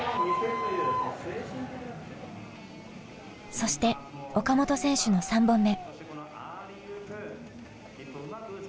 そして岡本選手の３本目。